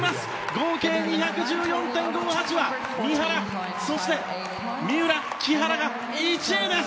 合計２１４．５８は三浦、木原が１位です！